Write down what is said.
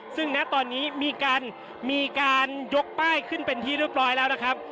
ซึ่งณตอนนี้มีการยกป้ายขึ้นเป็นที่เรียบร้อยแล้วนะครับ